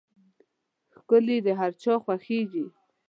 ښکلي د هر چا خوښېږي.